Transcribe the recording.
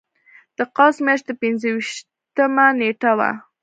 د قوس میاشتې پنځه ویشتمه نېټه وه.